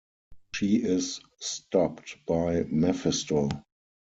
She is stopped by Mephisto.